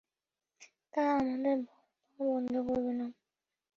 তারা আমাদের ভয় পাওয়া বন্ধ করবে না।